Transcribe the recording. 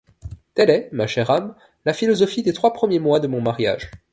Telle est, ma chère âme, la philosophie des trois premiers mois de mon mariage.